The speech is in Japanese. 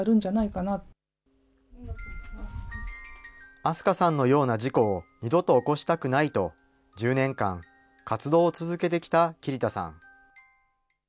明日香さんのような事故を二度と起こしたくないと、１０年間、活動を続けてきた桐田さん。